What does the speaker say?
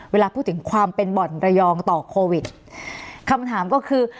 เวลาพูดถึงความเป็นบ่อนระยองต่อโควิดคำถามก็คือ